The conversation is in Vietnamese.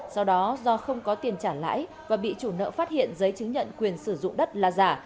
sau đó do không có tiền trả lãi và bị chủ nợ phát hiện giấy chứng nhận quyền sử dụng đất là giả